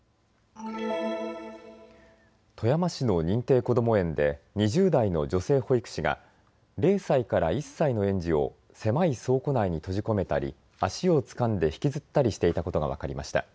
富山市の認定こども園で２０代の女性保育士が０歳から１歳の園児を狭い倉庫内に閉じ込めたり足をつかんで引きずったりしていたことが分かりました。